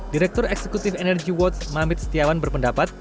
direktur eksekutif energy watch mamit setiawan berpendapat